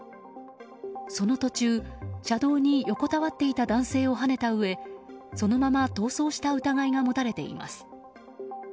その途中、車道に横たわっていた男性をはねたうえそのまま逃走した疑いが持たれています。